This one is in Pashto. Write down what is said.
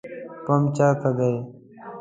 پمپ چیرته ده؟